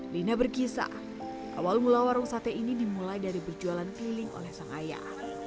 lina berkisah awal mula warung sate ini dimulai dari berjualan keliling oleh sang ayah